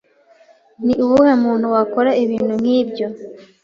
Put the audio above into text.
Ni uwuhe muntu wakora ibintu nk'ibyo?